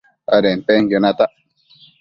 adenpenquio natac